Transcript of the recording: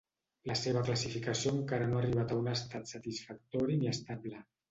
La seva classificació encara no ha arribat a un estat satisfactori ni estable.